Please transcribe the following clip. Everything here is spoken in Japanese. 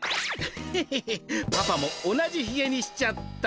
ヘヘヘッパパも同じひげにしちゃった。